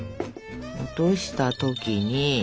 落とした時に。